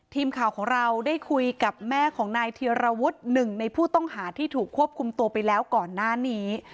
ทีมข่าวของเราได้คุยกับแม่ของนายเทียรวุฒิหนึ่งในผู้ต้องหาที่ถูกควบคุมตัวไปแล้วก่อนหน้านี้